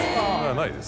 ないです。